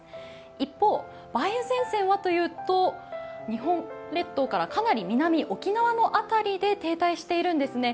一方、梅雨前線はというと日本列島からかなり南、沖縄の辺りで停滞しているんですね。